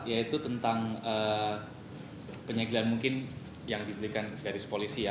yaitu tentang penyegelan mungkin yang diberikan dari sepolisi ya